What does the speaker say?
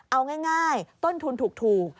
เอาง่ายต้นทุนถูก